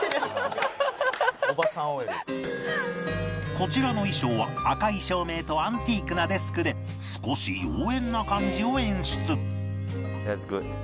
こちらの衣装は赤い照明とアンティークなデスクで少し妖艶な感じを演出